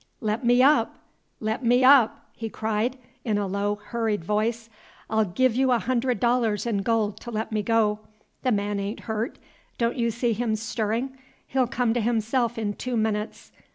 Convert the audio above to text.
"Let me up! let me up!" he cried, in a low, hurried voice, "I 'll give you a hundred dollars in gold to let me go. The man a'n't hurt, don't you see him stirring? He'll come to himself in two minutes.